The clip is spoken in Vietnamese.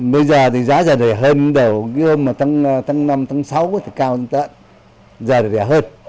bây giờ thì giá giả đẻ hơn đầu tháng năm tháng sáu thì cao hơn giả đẻ hơn